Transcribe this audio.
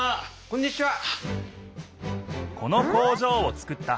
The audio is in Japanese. こんにちは！